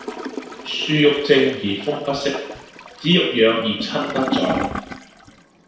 樹欲靜而風不息，子欲養而親不在